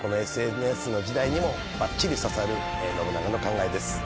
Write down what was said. このＳＮＳの時代にもばっちりささる信長の考えです。